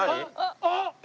あっ！